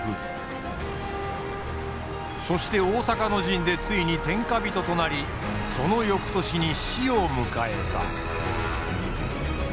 そして大坂の陣でついに天下人となりその翌年に死を迎えた。